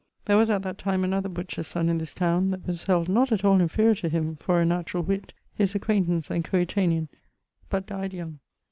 There was at that time another butcher's son in this towne that was held not at all inferior to him for a naturall witt, his acquaintance and coetanean, but dyed young.